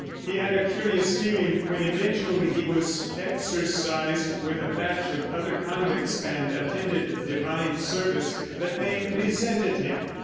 He had a curious feeling when eventually he was exercised with a batch of other convicts and attended Divine Service, that they resented him.